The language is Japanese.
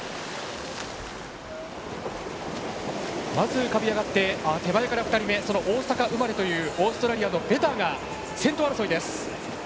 浮かび上がって手前から２人目大阪生まれというオーストラリアのベターが先頭争いです。